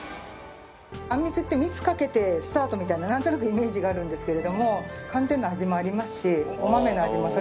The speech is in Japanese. あんみつって蜜かけてスタートみたいななんとなくイメージがあるんですけれども。